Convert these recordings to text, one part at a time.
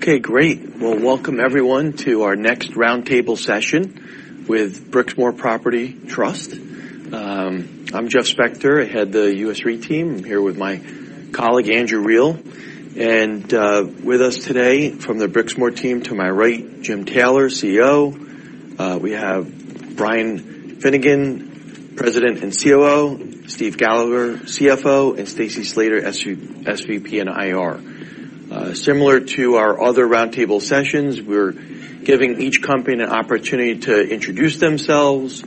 ...Okay, great. Well, welcome everyone to our next roundtable session with Brixmor Property Trust. I'm Jeff Spector. I head the US REIT team. I'm here with my colleague, Andrew Riehl. And with us today from the Brixmor team, to my right, Jim Taylor, CEO. We have Brian Finnegan, President and COO, Steve Gallagher, CFO, and Stacy Slater, SVP and IR. Similar to our other roundtable sessions, we're giving each company an opportunity to introduce themselves,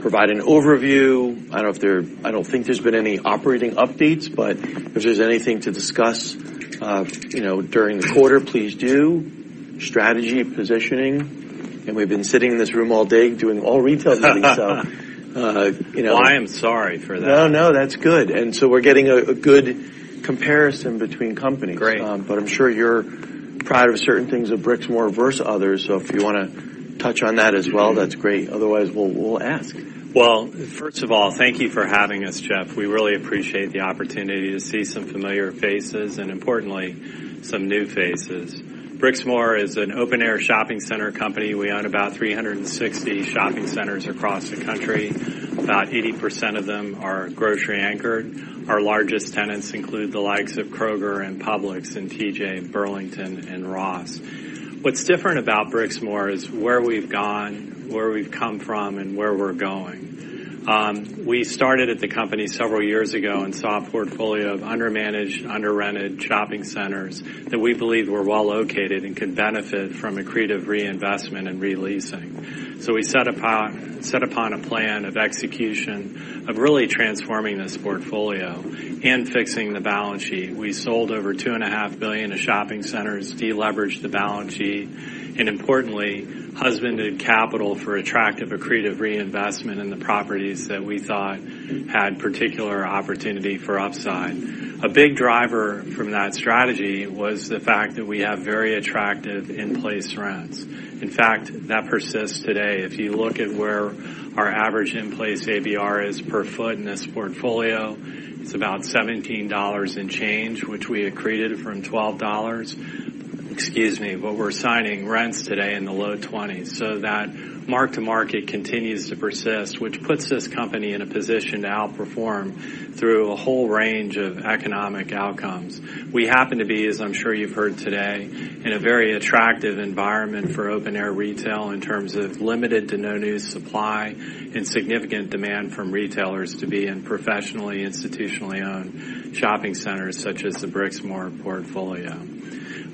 provide an overview. I don't think there's been any operating updates, but if there's anything to discuss, you know, during the quarter, please do. Strategy, positioning, and we've been sitting in this room all day doing all retail meetings, so, you know- I am sorry for that. No, no, that's good. And so we're getting a good comparison between companies. Great. But I'm sure you're proud of certain things of Brixmor versus others. So if you wanna touch on that as well, that's great. Otherwise, we'll ask. First of all, thank you for having us, Jeff. We really appreciate the opportunity to see some familiar faces, and importantly, some new faces. Brixmor is an open-air shopping center company. We own about 360 shopping centers across the country. About 80% of them are grocery-anchored. Our largest tenants include the likes of Kroger and Publix, and TJ, and Burlington, and Ross. What's different about Brixmor is where we've gone, where we've come from, and where we're going. We started at the company several years ago and saw a portfolio of undermanaged, under-rented shopping centers that we believed were well located and could benefit from accretive reinvestment and re-leasing. So we set upon a plan of execution, of really transforming this portfolio and fixing the balance sheet. We sold over $2.5 billion to shopping centers, de-leveraged the balance sheet, and importantly, husbanded capital for attractive, accretive reinvestment in the properties that we thought had particular opportunity for upside. A big driver from that strategy was the fact that we have very attractive in-place rents. In fact, that persists today. If you look at where our average in-place ABR is per foot in this portfolio, it's about $17 and change, which we accreted from $12. Excuse me, but we're signing rents today in the low $20s, so that mark-to-market continues to persist, which puts this company in a position to outperform through a whole range of economic outcomes. We happen to be, as I'm sure you've heard today, in a very attractive environment for open-air retail in terms of limited to no new supply and significant demand from retailers to be in professionally, institutionally owned shopping centers such as the Brixmor portfolio.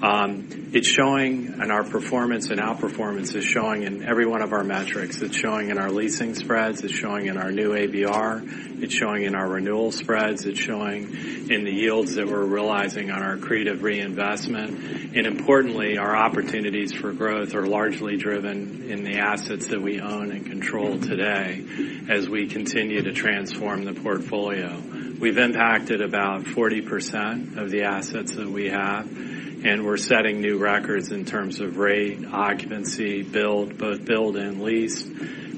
It's showing, and our performance and outperformance is showing in every one of our metrics. It's showing in our leasing spreads, it's showing in our new ABR, it's showing in our renewal spreads, it's showing in the yields that we're realizing on our accretive reinvestment. And importantly, our opportunities for growth are largely driven in the assets that we own and control today as we continue to transform the portfolio. We've impacted about 40% of the assets that we have, and we're setting new records in terms of rate, occupancy, build, both build and lease,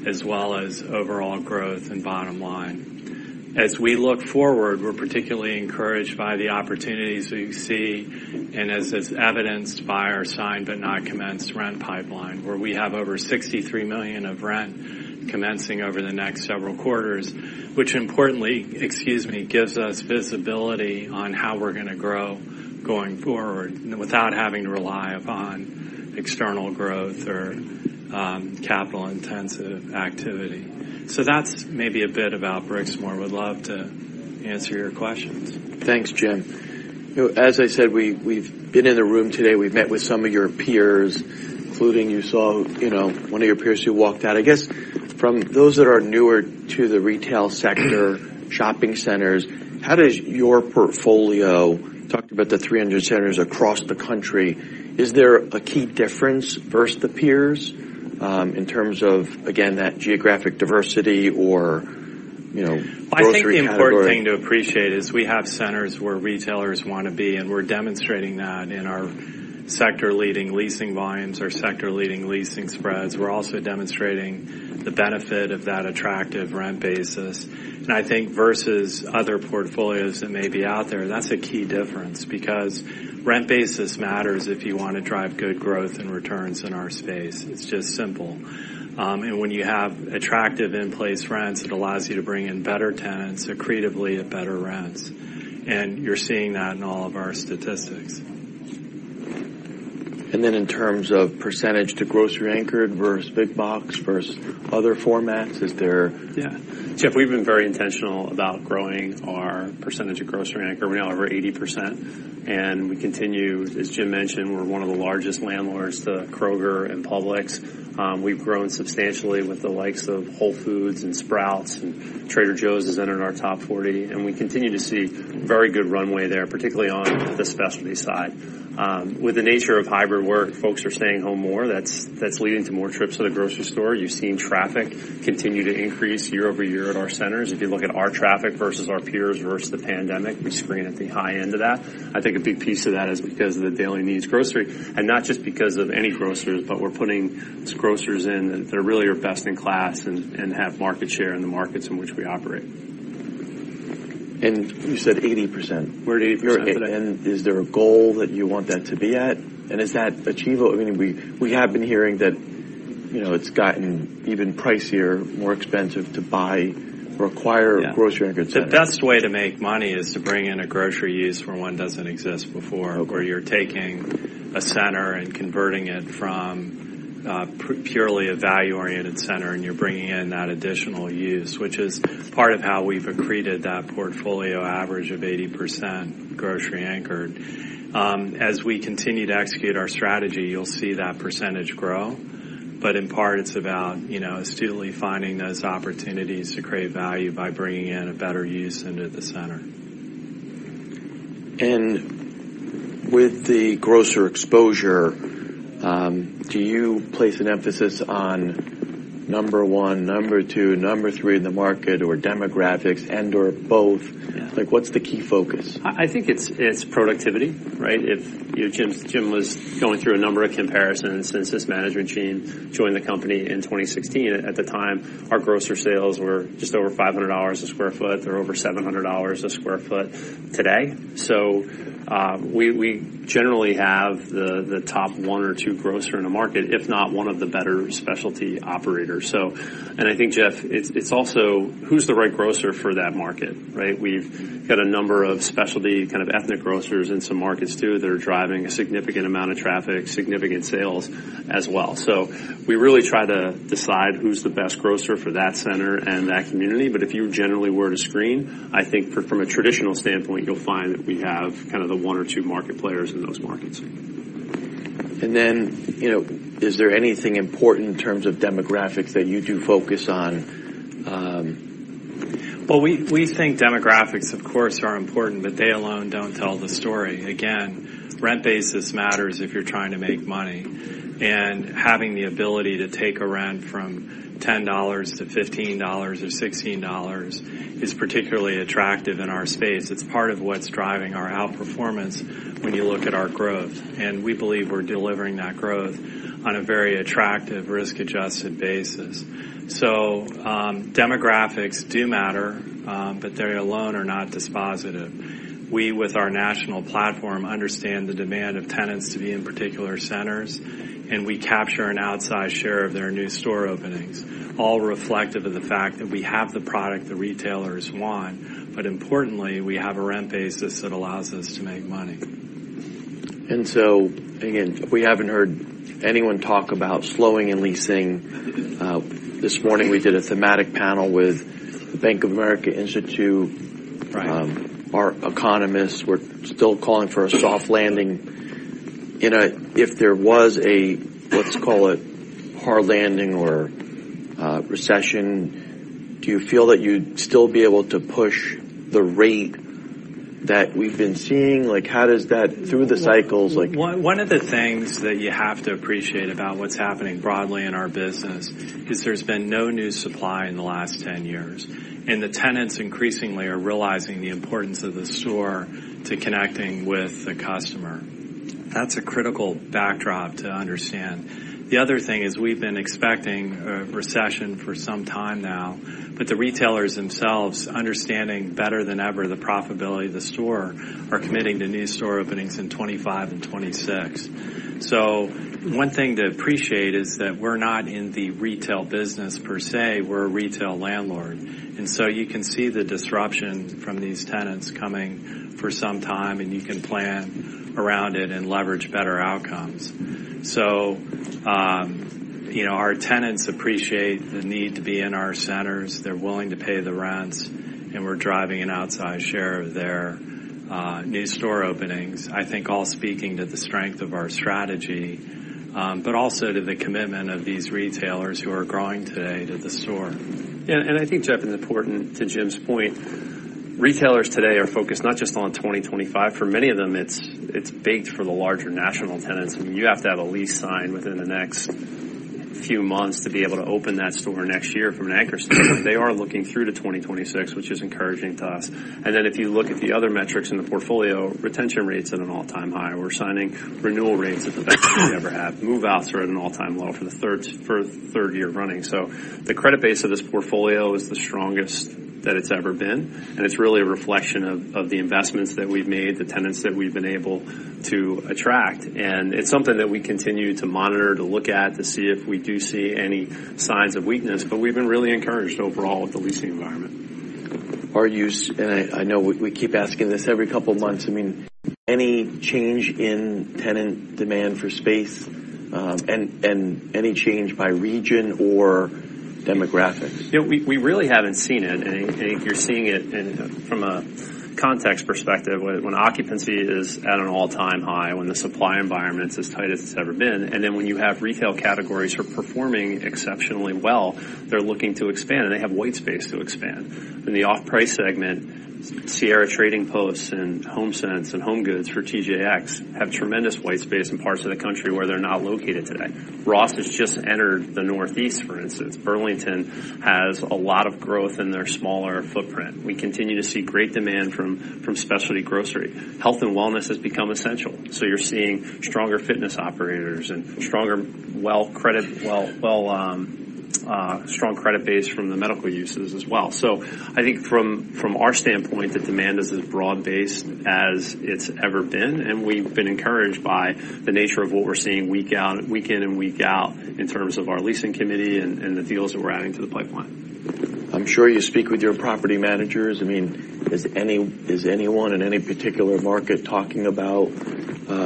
as well as overall growth and bottom line. As we look forward, we're particularly encouraged by the opportunities we see, and as is evidenced by our signed but not commenced rent pipeline, where we have over $63 million of rent commencing over the next several quarters, which importantly, excuse me, gives us visibility on how we're gonna grow going forward without having to rely upon external growth or, capital-intensive activity. So that's maybe a bit about Brixmor. Would love to answer your questions. Thanks, Jim. You know, as I said, we've been in the room today. We've met with some of your peers, including you saw, you know, one of your peers who walked out. I guess from those that are newer to the retail sector, shopping centers, how does your portfolio, talked about the three hundred centers across the country, is there a key difference versus the peers in terms of again that geographic diversity or, you know, grocery category? I think the important thing to appreciate is we have centers where retailers wanna be, and we're demonstrating that in our sector-leading leasing volumes, our sector-leading leasing spreads. We're also demonstrating the benefit of that attractive rent basis, and I think versus other portfolios that may be out there, that's a key difference, because rent basis matters if you want to drive good growth and returns in our space. It's just simple, and when you have attractive in-place rents, it allows you to bring in better tenants accretively at better rents, and you're seeing that in all of our statistics. And then in terms of percentage to grocery-anchored versus big box versus other formats, is there- Yeah. Jeff, we've been very intentional about growing our percentage of grocery anchor. We're now over 80%, and we continue. As Jim mentioned, we're one of the largest landlords to Kroger and Publix. We've grown substantially with the likes of Whole Foods and Sprouts, and Trader Joe's has entered our top 40, and we continue to see very good runway there, particularly on the specialty side. With the nature of hybrid work, folks are staying home more. That's leading to more trips to the grocery store. You've seen traffic continue to increase year over year at our centers. If you look at our traffic versus our peers versus the pandemic, we screen at the high end of that. I think a big piece of that is because of the daily needs grocery, and not just because of any grocers, but we're putting grocers in that really are best in class and have market share in the markets in which we operate. ... and you said 80%. We're at 80%. And is there a goal that you want that to be at? And is that achievable? I mean, we have been hearing that, you know, it's gotten even pricier, more expensive to buy or acquire- Yeah. Grocery-anchored centers. The best way to make money is to bring in a grocery use where one doesn't exist before. Okay. Where you're taking a center and converting it from purely a value-oriented center, and you're bringing in that additional use, which is part of how we've accreted that portfolio average of 80% grocery-anchored. As we continue to execute our strategy, you'll see that percentage grow. But in part, it's about, you know, astutely finding those opportunities to create value by bringing in a better use into the center. And with the grocer exposure, do you place an emphasis on number one, number two, number three in the market, or demographics, and/or both? Yeah. Like, what's the key focus? I think it's productivity, right? If you know, Jim was going through a number of comparisons since this management team joined the company in 2016. At the time, our grocer sales were just over $500 a sq ft. They're over $700 a sq ft today. So we generally have the top one or two grocer in the market, if not one of the better specialty operators. So and I think, Jeff, it's also who's the right grocer for that market, right? We've got a number of specialty, kind of, ethnic grocers in some markets, too, that are driving a significant amount of traffic, significant sales as well. So we really try to decide who's the best grocer for that center and that community. But if you generally were to screen, I think from a traditional standpoint, you'll find that we have kind of the one or two market players in those markets. And then, you know, is there anything important in terms of demographics that you do focus on? We think demographics, of course, are important, but they alone don't tell the story. Again, rent basis matters if you're trying to make money, and having the ability to take a rent from $10 to $15 or $16 is particularly attractive in our space. It's part of what's driving our outperformance when you look at our growth, and we believe we're delivering that growth on a very attractive, risk-adjusted basis. Demographics do matter, but they alone are not dispositive. We, with our national platform, understand the demand of tenants to be in particular centers, and we capture an outsized share of their new store openings, all reflective of the fact that we have the product the retailers want. But importantly, we have a rent basis that allows us to make money. And so, again, we haven't heard anyone talk about slowing and leasing. This morning, we did a thematic panel with Bank of America Institute. Right. Our economists were still calling for a soft landing. If there was a, let's call it, hard landing or recession, do you feel that you'd still be able to push the rate that we've been seeing? Like, how does that, through the cycles, like- One of the things that you have to appreciate about what's happening broadly in our business is there's been no new supply in the last 10 years, and the tenants increasingly are realizing the importance of the store to connecting with the customer. That's a critical backdrop to understand. The other thing is, we've been expecting a recession for some time now, but the retailers themselves, understanding better than ever the profitability of the store, are committing to new store openings in 2025 and 2026. So one thing to appreciate is that we're not in the retail business per se, we're a retail landlord. And so you can see the disruption from these tenants coming for some time, and you can plan around it and leverage better outcomes. So, you know, our tenants appreciate the need to be in our centers. They're willing to pay the rents, and we're driving an outsized share of their new store openings. I think all speaking to the strength of our strategy, but also to the commitment of these retailers who are growing today to the store. Yeah, and I think, Jeff, and important to Jim's point, retailers today are focused not just on 2025. For many of them, it's baked for the larger national tenants, and you have to have a lease signed within the next few months to be able to open that store next year from an anchor store. They are looking through to 2026, which is encouraging to us. And then, if you look at the other metrics in the portfolio, retention rate's at an all-time high. We're signing renewal rates at the best we've ever had. Move-outs are at an all-time low for the third year running. So the credit base of this portfolio is the strongest that it's ever been, and it's really a reflection of the investments that we've made, the tenants that we've been able to attract. It's something that we continue to monitor, to look at, to see if we do see any signs of weakness, but we've been really encouraged overall with the leasing environment. Our usual, and I know we keep asking this every couple of months, I mean, any change in tenant demand for space, and any change by region or demographics? Yeah, we really haven't seen it, and you're seeing it in, from a context perspective, when occupancy is at an all-time high, when the supply environment is as tight as it's ever been, and then when you have retail categories who are performing exceptionally well, they're looking to expand, and they have white space to expand. In the off-price segment, Sierra Trading Post and HomeSense and HomeGoods for TJX have tremendous white space in parts of the country where they're not located today. Ross has just entered the Northeast, for instance. Burlington has a lot of growth in their smaller footprint. We continue to see great demand from specialty grocery. Health and wellness has become essential, so you're seeing stronger fitness operators and stronger well-credited strong credit base from the medical uses as well. So I think from our standpoint, the demand is as broad-based as it's ever been, and we've been encouraged by the nature of what we're seeing week in and week out in terms of our leasing committee and the deals that we're adding to the pipeline. I'm sure you speak with your property managers. I mean, is anyone in any particular market talking about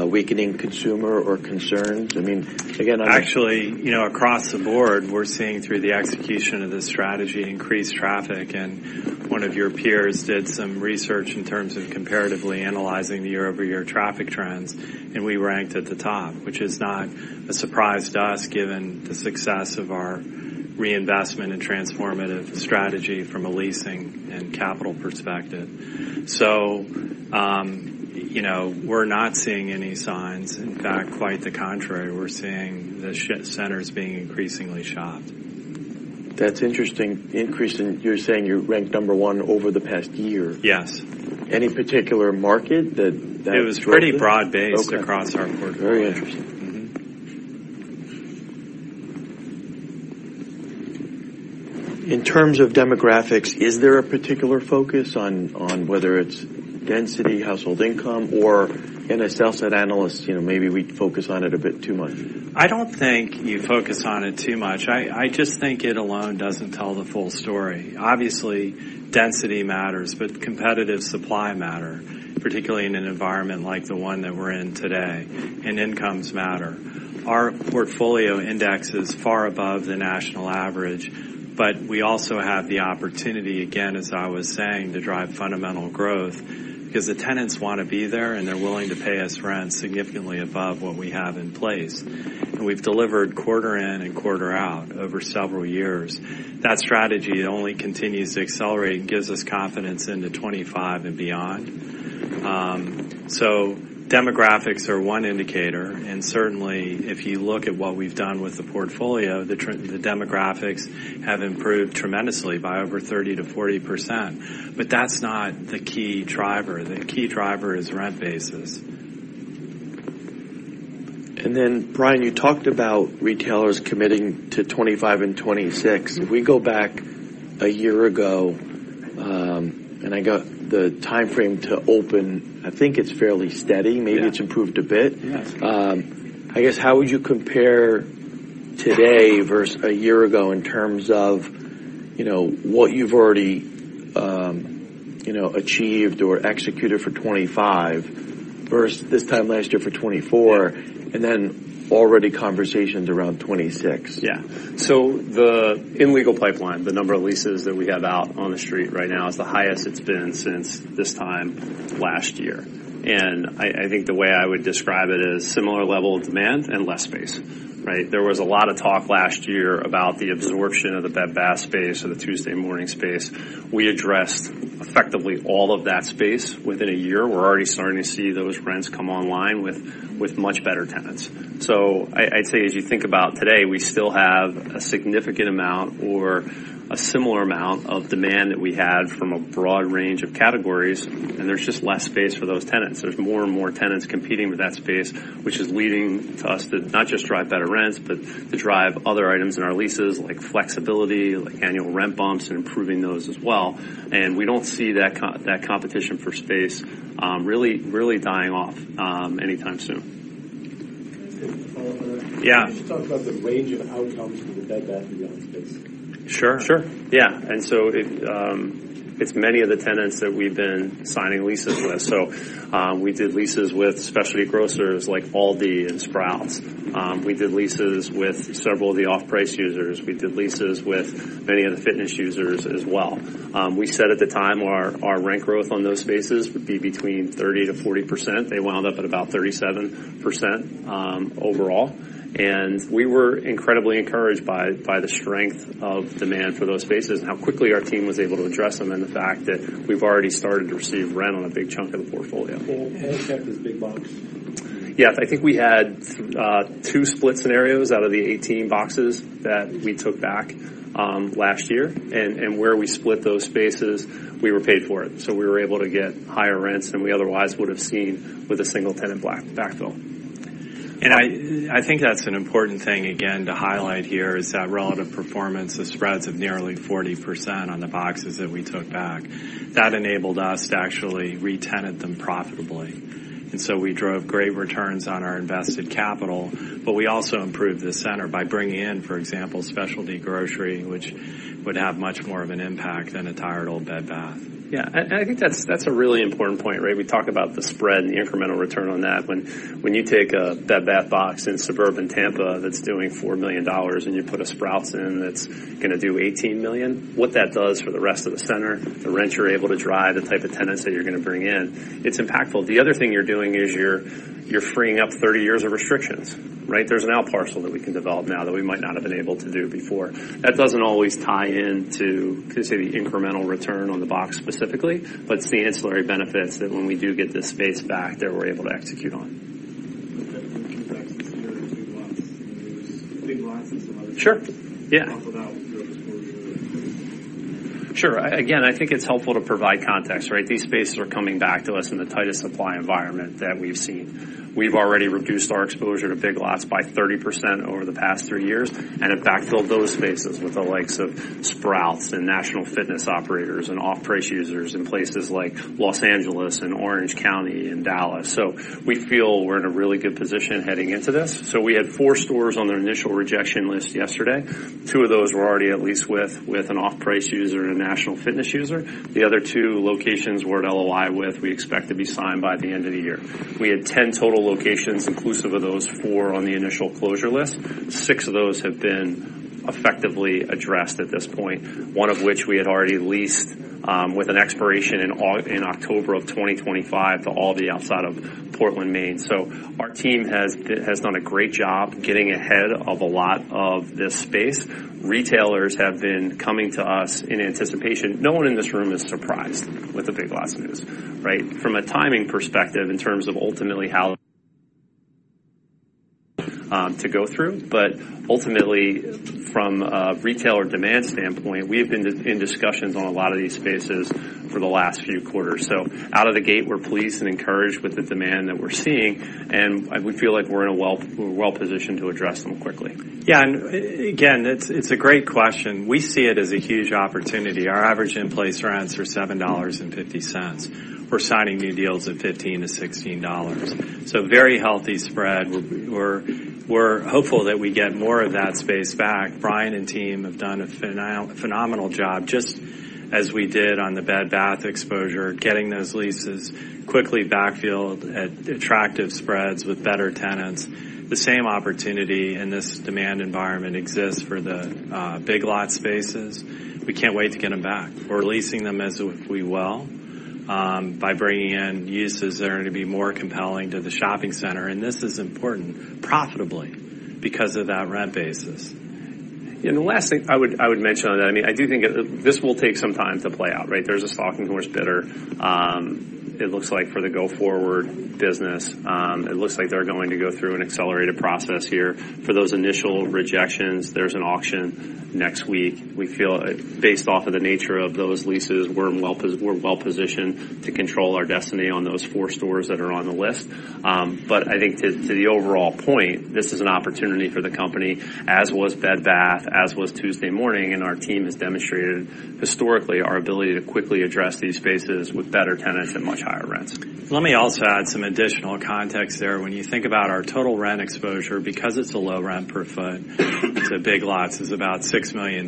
weakening consumer or concerns? I mean, again- Actually, you know, across the board, we're seeing through the execution of this strategy, increased traffic, and one of your peers did some research in terms of comparatively analyzing the year-over-year traffic trends, and we ranked at the top, which is not a surprise to us, given the success of our reinvestment and transformative strategy from a leasing and capital perspective. So, you know, we're not seeing any signs. In fact, quite the contrary, we're seeing the shopping centers being increasingly shopped. That's an interesting increase in.... You're saying you're ranked number one over the past year? Yes. Any particular market that It was pretty broad-based across our portfolio. Very interesting. Mm-hmm. In terms of demographics, is there a particular focus on whether it's density, household income, or in a sales set analyst, you know, maybe we focus on it a bit too much? I don't think you focus on it too much. I just think it alone doesn't tell the full story. Obviously, density matters, but competitive supply matter, particularly in an environment like the one that we're in today, and incomes matter. Our portfolio index is far above the national average, but we also have the opportunity, again, as I was saying, to drive fundamental growth because the tenants want to be there, and they're willing to pay us rent significantly above what we have in place. We've delivered quarter in and quarter out over several years. That strategy only continues to accelerate and gives us confidence into 2025 and beyond. So demographics are one indicator, and certainly, if you look at what we've done with the portfolio, the trend, the demographics have improved tremendously by over 30%-40%. But that's not the key driver. The key driver is rent basis. And then, Brian, you talked about retailers committing to 2025 and 2026. If we go back a year ago, and I got the timeframe to open, I think it's fairly steady. Yeah. Maybe it's improved a bit. Yes. I guess, how would you compare today versus a year ago in terms of, you know, what you've already, you know, achieved or executed for 2025 versus this time last year for 2024, and then already conversations around 2026? Yeah. So the leasing pipeline, the number of leases that we have out on the street right now is the highest it's been since this time last year. And I think the way I would describe it is similar level of demand and less space, right? There was a lot of talk last year about the absorption of the Bed Bath space or the Tuesday Morning space. We addressed effectively all of that space within a year. We're already starting to see those rents come online with much better tenants. So I'd say, as you think about today, we still have a significant amount or a similar amount of demand that we had from a broad range of categories, and there's just less space for those tenants. There's more and more tenants competing with that space, which is leading to us to not just drive better rents, but to drive other items in our leases, like flexibility, like annual rent bumps, and improving those as well, and we don't see that competition for space, really, really dying off, anytime soon. Follow up? Yeah. Can you talk about the range of outcomes for the Bed Bath & Beyond space? Sure. Sure. Yeah. And so it's many of the tenants that we've been signing leases with. So, we did leases with specialty grocers like Aldi and Sprouts. We did leases with several of the off-price users. We did leases with many of the fitness users as well. We said at the time, our rent growth on those spaces would be between 30%-40%. They wound up at about 37%, overall. And we were incredibly encouraged by the strength of demand for those spaces and how quickly our team was able to address them, and the fact that we've already started to receive rent on a big chunk of the portfolio. What about those big boxes? Yes, I think we had two split scenarios out of the eighteen boxes that we took back last year, and where we split those spaces, we were paid for it. So we were able to get higher rents than we otherwise would have seen with a single tenant backfill. I think that's an important thing, again, to highlight here, is that relative performance of spreads of nearly 40% on the boxes that we took back. That enabled us to actually retenant them profitably. And so we drove great returns on our invested capital, but we also improved the center by bringing in, for example, specialty grocery, which would have much more of an impact than a tired, old Bed Bath. Yeah, and I think that's a really important point, right? We talk about the spread and the incremental return on that. When you take a Bed Bath & Beyond box in suburban Tampa that's doing $4 million, and you put a Sprouts in, that's gonna do $18 million, what that does for the rest of the center, the rents you're able to drive, the type of tenants that you're gonna bring in, it's impactful. The other thing you're doing is you're freeing up 30 years of restrictions, right? There's an out parcel that we can develop now that we might not have been able to do before. That doesn't always tie in to say, the incremental return on the box specifically, but it's the ancillary benefits that when we do get this space back, that we're able to execute on. Sure. Yeah. About your support? ... Sure. Again, I think it's helpful to provide context, right? These spaces are coming back to us in the tightest supply environment that we've seen. We've already reduced our exposure to Big Lots by 30% over the past three years, and have backfilled those spaces with the likes of Sprouts and national fitness operators and off-price users in places like Los Angeles and Orange County and Dallas. So we feel we're in a really good position heading into this. So we had four stores on their initial rejection list yesterday. Two of those were already at least with an off-price user and a national fitness user. The other two locations we're at LOI with, we expect to be signed by the end of the year. We had 10 total locations, inclusive of those four on the initial closure list. Six of those have been effectively addressed at this point, one of which we had already leased with an expiration in October of 2025 to Aldi outside of Portland, Maine. So our team has done a great job getting ahead of a lot of this space. Retailers have been coming to us in anticipation. No one in this room is surprised with the Big Lots news, right? From a timing perspective, in terms of ultimately how to go through, but ultimately, from a retailer demand standpoint, we have been in discussions on a lot of these spaces for the last few quarters. So out of the gate, we're pleased and encouraged with the demand that we're seeing, and we feel like we're well-positioned to address them quickly. Yeah, and again, it's a great question. We see it as a huge opportunity. Our average in-place rents are $7.50. We're signing new deals at $15-$16, so very healthy spread. We're hopeful that we get more of that space back. Brian and team have done a phenomenal job, just as we did on the Bed Bath exposure, getting those leases quickly backfilled at attractive spreads with better tenants. The same opportunity in this demand environment exists for the Big Lots spaces. We can't wait to get them back. We're leasing them as if we will by bringing in uses that are going to be more compelling to the shopping center, and this is important profitably because of that rent basis. And the last thing I would mention on that, I mean, I do think it, this will take some time to play out, right? There's a stalking horse bidder, it looks like for the go-forward business. It looks like they're going to go through an accelerated process here. For those initial rejections, there's an auction next week. We feel, based off of the nature of those leases, we're well-positioned to control our destiny on those four stores that are on the list. But I think to the overall point, this is an opportunity for the company, as was Bed Bath, as was Tuesday Morning, and our team has demonstrated historically, our ability to quickly address these spaces with better tenants at much higher rents. Let me also add some additional context there. When you think about our total rent exposure, because it's a low rent per foot, so Big Lots is about $60 million.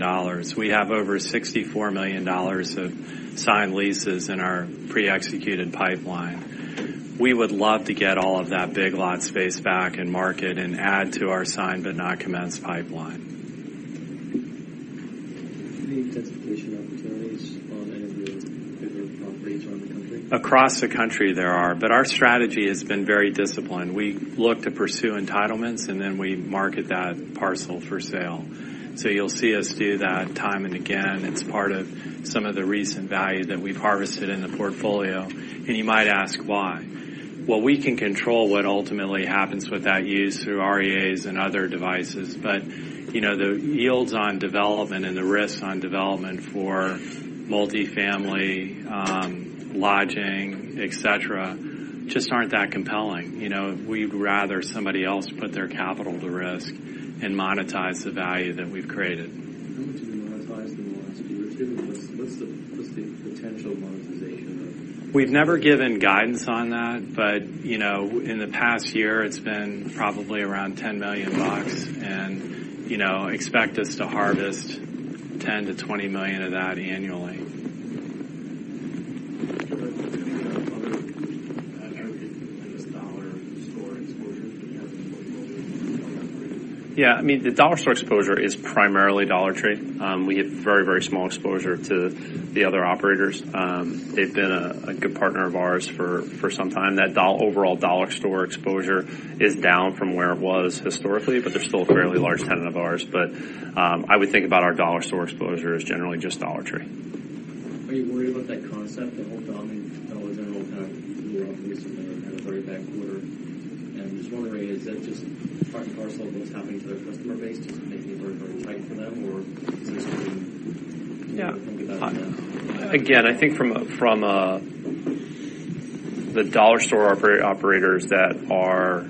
We have over $64 million of signed leases in our pre-executed pipeline. We would love to get all of that Big Lots space back and market and add to our signed, but not commenced pipeline. Any intensification opportunities on any of the different properties around the country? Across the country, there are, but our strategy has been very disciplined. We look to pursue entitlements, and then we market that parcel for sale. So you'll see us do that time and again. It's part of some of the recent value that we've harvested in the portfolio. And you might ask why. Well, we can control what ultimately happens with that use through REAs and other devices, but, you know, the yields on development and the risks on development for multifamily, lodging, et cetera, just aren't that compelling. You know, we'd rather somebody else put their capital to risk and monetize the value that we've created. How much have you monetized in the last year or two? What's the potential monetization of? We've never given guidance on that, but, you know, in the past year, it's been probably around $10 million, and, you know, expect us to harvest $10 million-20 million of that annually. Dollar Store exposure that you have in the portfolio? Yeah, I mean, the dollar store exposure is primarily Dollar Tree. We have very, very small exposure to the other operators. They've been a good partner of ours for some time. That overall dollar store exposure is down from where it was historically, but they're still a fairly large tenant of ours. But, I would think about our dollar store exposure as generally just Dollar Tree. Are you worried about that concept, the whole Dollar General kind of grew up recently and had a very bad quarter? And I'm just wondering, is that just part of what's happening to their customer base, just making it very, very tight for them, or is this something- Yeah. You think about that? Again, I think from a the dollar store operators that are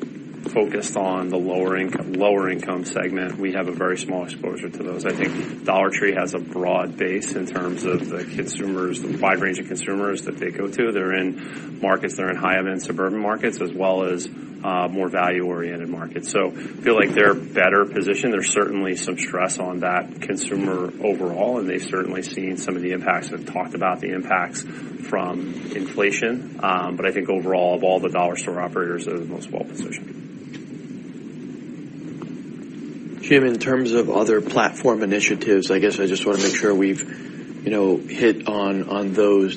focused on the lower-income segment, we have a very small exposure to those. I think Dollar Tree has a broad base in terms of the consumers, the wide range of consumers that they go to. They're in markets that are in high-end suburban markets, as well as more value-oriented markets. So I feel like they're better positioned. There's certainly some stress on that consumer overall, and they've certainly seen some of the impacts and talked about the impacts from inflation. But I think overall, of all the dollar store operators, they're the most well-positioned. Jim, in terms of other platform initiatives, I guess I just want to make sure we've, you know, hit on those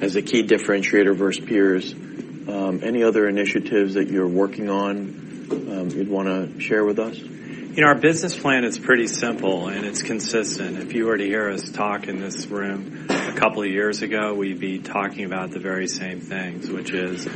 as a key differentiator versus peers. Any other initiatives that you're working on, you'd want to share with us? You know, our business plan is pretty simple, and it's consistent. If you were to hear us talk in this room, a couple of years ago, we'd be talking about the very same things, which is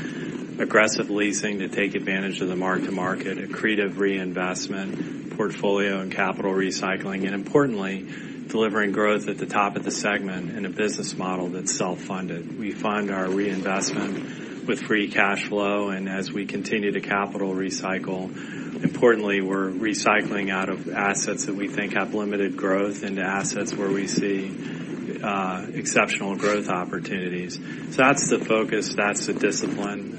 aggressive leasing to take advantage of the mark-to-market, accretive reinvestment, portfolio and capital recycling, and importantly, delivering growth at the top of the segment in a business model that's self-funded. We fund our reinvestment with free cash flow, and as we continue to capital recycle, importantly, we're recycling out of assets that we think have limited growth into assets where we see exceptional growth opportunities. So that's the focus, that's the discipline.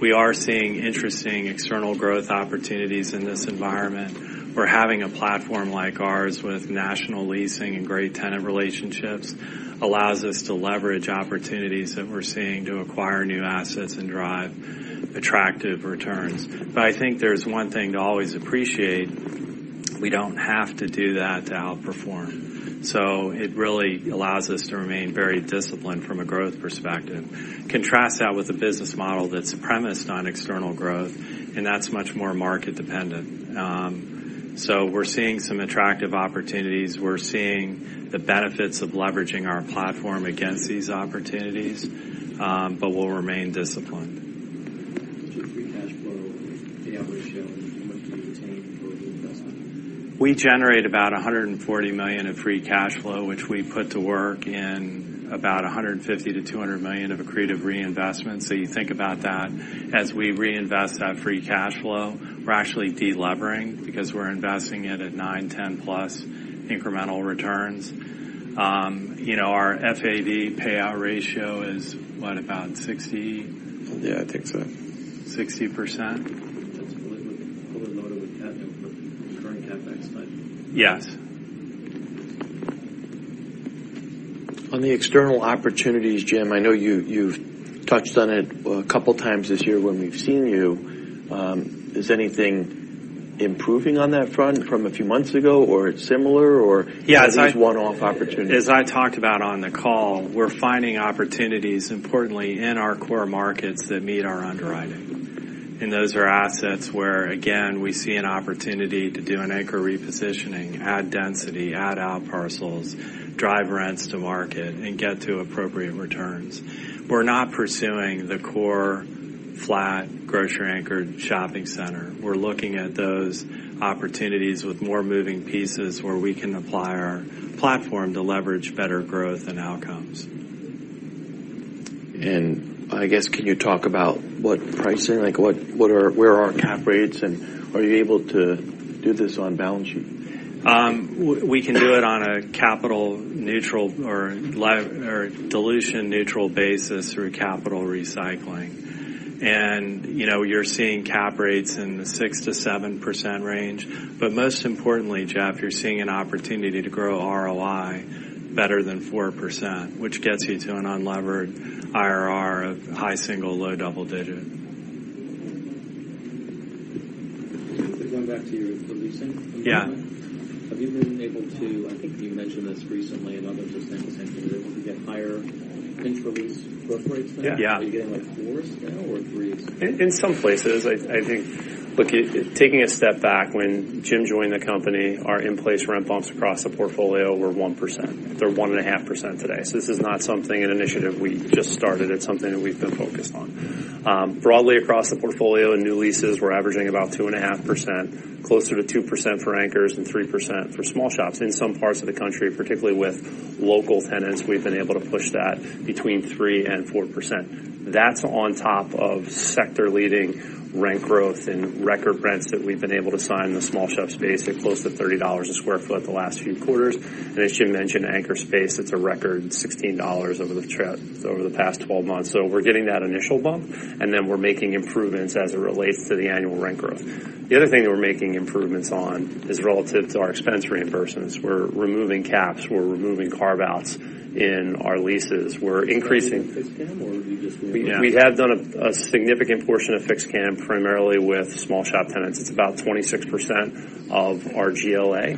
We are seeing interesting external growth opportunities in this environment. We're having a platform like ours, with national leasing and great tenant relationships, allows us to leverage opportunities that we're seeing to acquire new assets and drive attractive returns. But I think there's one thing to always appreciate, we don't have to do that to outperform. So it really allows us to remain very disciplined from a growth perspective. Contrast that with a business model that's premised on external growth, and that's much more market-dependent. So we're seeing some attractive opportunities. We're seeing the benefits of leveraging our platform against these opportunities, but we'll remain disciplined. The free cash flow payout ratio, how much do you retain for reinvestment? We generate about $140 million of free cash flow, which we put to work in about $150 million-$200 million of accretive reinvestment. So you think about that. As we reinvest that free cash flow, we're actually delevering because we're investing it at 9, 10-plus incremental returns. You know, our FAD payout ratio is, what? About 60- Yeah, I think so. Sixty percent. That's fully, fully loaded with CapEx, with current CapEx, right? Yes. On the external opportunities, Jim, I know you, you've touched on it a couple of times this year when we've seen you. Is anything improving on that front from a few months ago, or it's similar, or- Yeah. Just one-off opportunities? As I talked about on the call, we're finding opportunities, importantly, in our core markets that meet our underwriting. And those are assets where, again, we see an opportunity to do an anchor repositioning, add density, add out parcels, drive rents to market, and get to appropriate returns. We're not pursuing the core flat, grocery-anchored shopping center. We're looking at those opportunities with more moving pieces, where we can apply our platform to leverage better growth and outcomes. I guess, can you talk about what pricing, like, what are, where are our cap rates, and are you able to do this on balance sheet? We can do it on a capital neutral or dilution neutral basis through capital recycling, and you know, you're seeing cap rates in the 6%-7% range, but most importantly, Jeff, you're seeing an opportunity to grow ROI better than 4%, which gets you to an unlevered IRR of high single, low double digit. Going back to your leasing. Yeah. Have you been able to... I think you mentioned this recently, and others have been saying, to get higher in-place growth rates now? Yeah. Are you getting, like, fours now or threes? In some places. I think, look, taking a step back, when Jim joined the company, our in-place rent bumps across the portfolio were 1%. They're 1.5% today. So this is not something, an initiative we just started, it's something that we've been focused on. Broadly across the portfolio and new leases, we're averaging about 2.5%, closer to 2% for anchors and 3% for small shops. In some parts of the country, particularly with local tenants, we've been able to push that between 3% and 4%. That's on top of sector-leading rent growth and record rents that we've been able to sign in the small shop space at close to $30 a sq ft the last few quarters. As Jim mentioned, anchor space, it's a record $16 over the past 12 months. We're getting that initial bump, and then we're making improvements as it relates to the annual rent growth. The other thing that we're making improvements on is relative to our expense reimbursements. We're removing caps, we're removing carve-outs in our leases. We're increasing- Is that Fixed CAM, or are you just- We have done a significant portion of Fixed CAM, primarily with small shop tenants. It's about 26% of our GLA.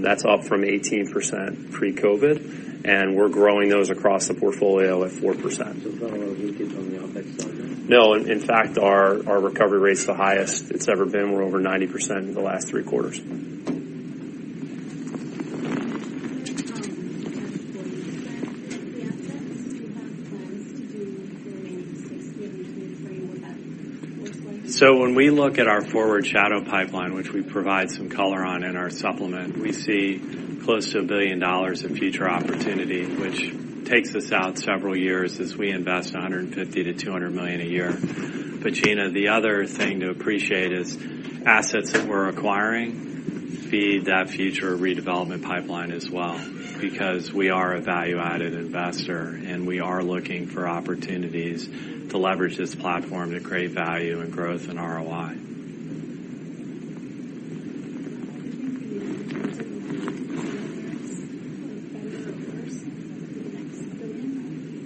That's up from 18% pre-COVID, and we're growing those across the portfolio at 4%. So far, our leakage on the OpEx side? No, in fact, our recovery rate is the highest it's ever been. We're over 90% in the last three quarters. Assets, do you have plans to do during Q2 2024 what that looks like? So when we look at our forward shadow pipeline, which we provide some color on in our supplement, we see close to $1 billion in future opportunity, which takes us out several years as we invest $150 million-$200 million a year. But Gina, the other thing to appreciate is assets that we're acquiring feed that future redevelopment pipeline as well, because we are a value-added investor, and we are looking for opportunities to leverage this platform to create value and growth in ROI.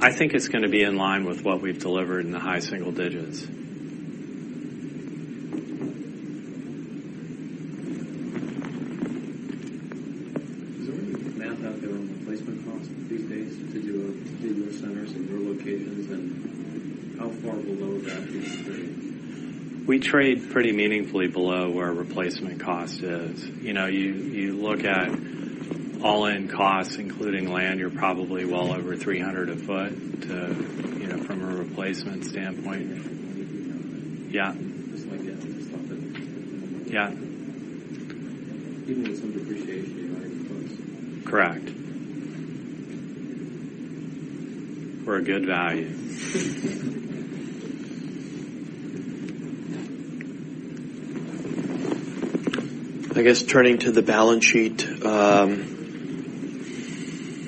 I think it's gonna be in line with what we've delivered in the high single digits. Does anybody map out their own replacement costs these days to do in the centers in your locations, and how far below that do you trade? We trade pretty meaningfully below where replacement cost is. You know, you look at all-in costs, including land, you're probably well over $300 a foot to, you know, from a replacement standpoint. Yeah. Just like Yeah. Even with some depreciation, you're already close. Correct. We're a good value. I guess, turning to the balance sheet, I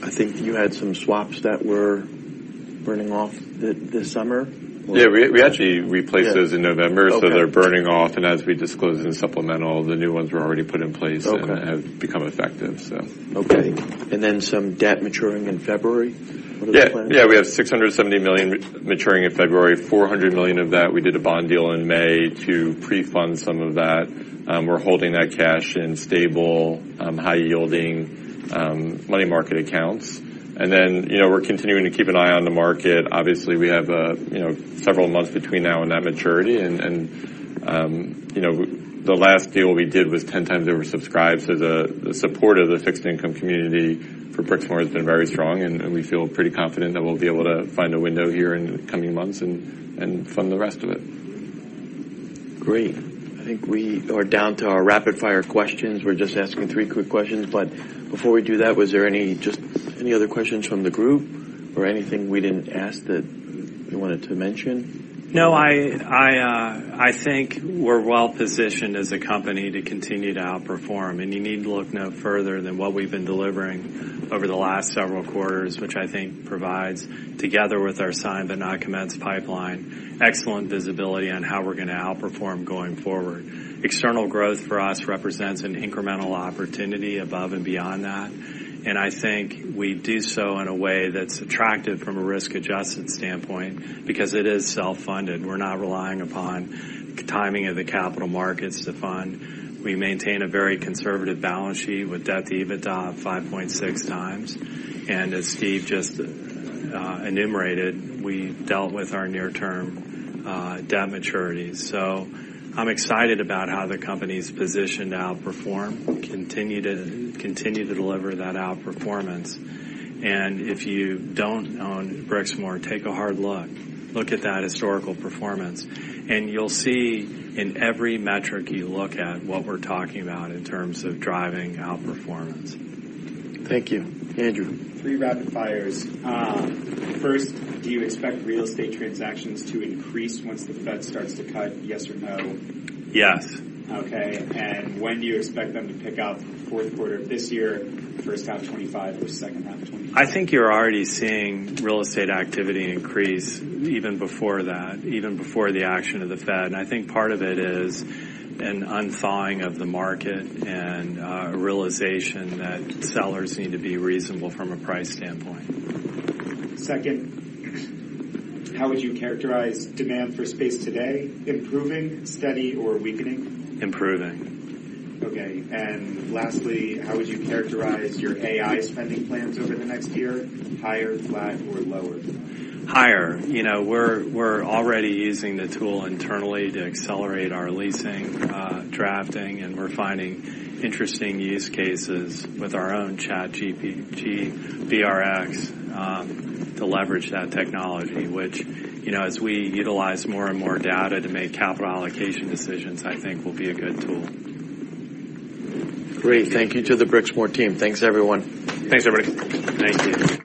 think you had some swaps that were running off this summer? Yeah, we actually replaced those in November... Okay. so they're burning off, and as we disclosed in the supplemental, the new ones were already put in place. Okay. and have become effective, so. Okay, and then some debt maturing in February? Yeah. Yeah, we have $670 million maturing in February. $400 million of that, we did a bond deal in May to pre-fund some of that. We're holding that cash in stable, high-yielding money market accounts. And then, you know, we're continuing to keep an eye on the market. Obviously, we have, you know, several months between now and that maturity, and, you know, the last deal we did was 10 times oversubscribed, so the support of the fixed income community for Brixmor has been very strong, and we feel pretty confident that we'll be able to find a window here in the coming months and fund the rest of it. Great. I think we are down to our rapid-fire questions. We're just asking three quick questions, but before we do that, was there any... just any other questions from the group or anything we didn't ask that you wanted to mention? No, I think we're well positioned as a company to continue to outperform, and you need to look no further than what we've been delivering over the last several quarters, which I think provides, together with our signed but not commenced pipeline, excellent visibility on how we're gonna outperform going forward. External growth for us represents an incremental opportunity above and beyond that, and I think we do so in a way that's attractive from a risk-adjusted standpoint because it is self-funded. We're not relying upon the timing of the capital markets to fund. We maintain a very conservative balance sheet with debt to EBITDA of 5.6 times, and as Steve just enumerated, we dealt with our near-term debt maturities. So I'm excited about how the company's positioned to outperform, continue to deliver that outperformance. If you don't own Brixmor, take a hard look. Look at that historical performance, and you'll see in every metric you look at, what we're talking about in terms of driving outperformance. Thank you. Andrew? Three rapid fires. First, do you expect real estate transactions to increase once the Fed starts to cut, yes or no? Yes. Okay, and when do you expect them to pick up, fourth quarter of this year, first half 2025, or second half 2025? I think you're already seeing real estate activity increase even before that, even before the action of the Fed, and I think part of it is an unthawing of the market and a realization that sellers need to be reasonable from a price standpoint. Second, how would you characterize demand for space today? Improving, steady, or weakening? Improving. Okay, and lastly, how would you characterize your AI spending plans over the next year? Higher, flat, or lower? Higher. You know, we're already using the tool internally to accelerate our leasing, drafting, and we're finding interesting use cases with our own ChatGPT BRX to leverage that technology, which, you know, as we utilize more and more data to make capital allocation decisions, I think will be a good tool. Great. Thank you to the Brixmor team. Thanks, everyone. Thanks, everybody. Thank you.